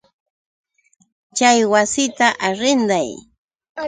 Chay wasita arrinday.